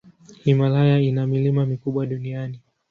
Himalaya ina milima mikubwa duniani.